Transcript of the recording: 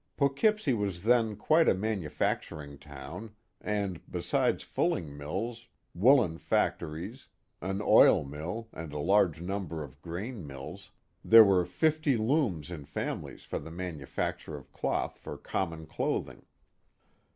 Poughkeepsie was then quite a manufacturing town, and, besides fulling mills, woollen fac tories, an oil mill and a large number of grain mills, there were fifty looms in families for the manufacture of cloth for common clothing.